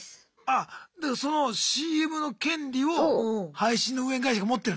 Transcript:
あっだからそのＣＭの権利を配信の運営会社が持ってるんだ。